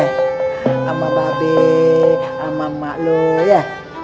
sama mbak be sama emak lo ya